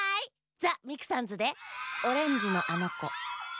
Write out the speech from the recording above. ザ・ミクさんズで「オレンジのあのこ」。